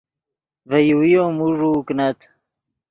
ڤے یوویو موݱوؤ کینت